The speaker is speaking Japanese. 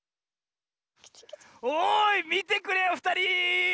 おいみてくれよふたり！